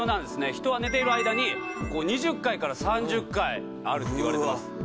人は寝ている間に２０回から３０回あるっていわれてます